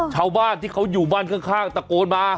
ชาวบ้านที่เขาอยู่บ้านข้างตะโกนมา